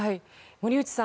森内さん